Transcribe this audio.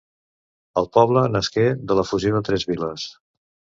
El poble nasqué de la fusió de tres viles.